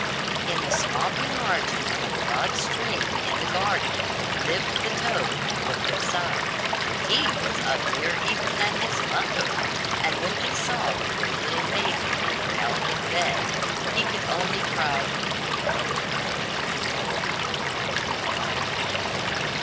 In the swampy margin of a broad stream in the garden lived the toad, with her son. He was uglier even than his mother, and when he saw the pretty little maiden in her elegant bed, he could only cry, "Croak, croak, croak."